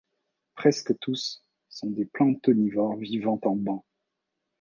Presque tous sont des planctonivores vivant en bancs.